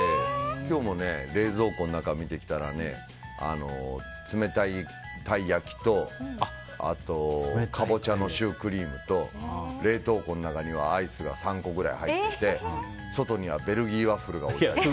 今日も冷蔵庫の中見てきたら冷たいたい焼きとカボチャのシュークリームと冷凍庫の中にはアイスが３個くらい入っていて外にはベルギーワッフルが置いてあって。